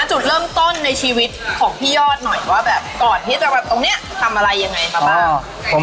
นัดจุดเริ่มต้นในชีวิตของพี่ยอดหน่อยว่าก่อนที่จะตรงนี้ทำอะไรอย่างไรประบาง